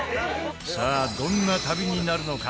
さあ、どんな旅になるのか？